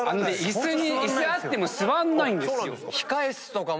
イスあっても座んないんですよ。